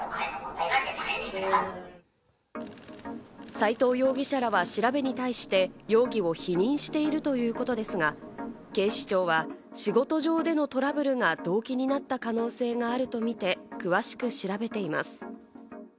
斎藤容疑者らは調べに対して容疑を否認しているということですが、警視庁は仕事上でのトラブルが動機になった可能性があるとみて、詳しく調べています。